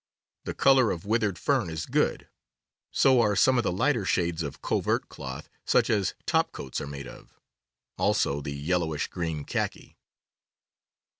The color of withered fern is good; so are some of the lighter shades of covert cloth, such as top coats are made of; also the yellowish green khaki.